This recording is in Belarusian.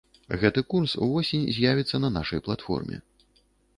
Гэты курс увосень з'явіцца на нашай платформе!